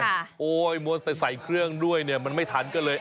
โหโหมันใส่เครื่องด้วยมันไม่ทันก็เลย